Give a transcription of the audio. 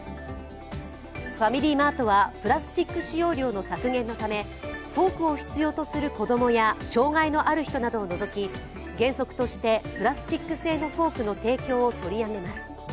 ファミリーマートはプラスチック使用量の削減のため、フォークを必要とする子供や障害のある人なぞをのぞき、原則としてプラスチック製フォークの提供を取りやめます。